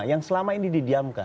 yang selama ini didiamkan